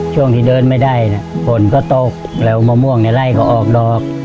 ช่วงที่เดินไม่ได้ฝนก็ตกแล้วมะม่วงในไล่ก็ออกดอก